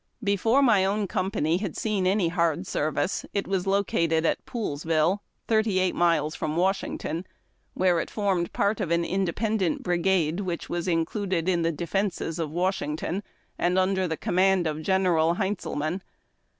Before my own company had seen any hard service it was located at Poolesville, thirty eiglit miles from Wasliington, where it formed part of an independent bri gade, which was included in the defences of Washington, and under the command of Genei'al Heintzelman.